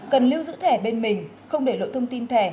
cần lưu giữ thẻ bên mình không để lộ thông tin thẻ